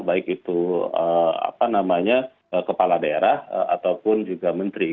baik itu apa namanya kepala daerah ataupun juga menteri